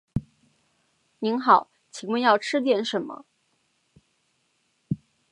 您好，请问要吃点什么？